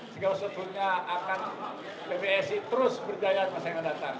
jika setuhunya akan pbbc terus berjaya di masa yang akan datang